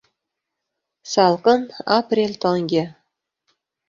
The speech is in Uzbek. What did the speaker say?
Salqin aprel tongi